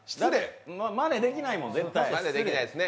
まねできないもん。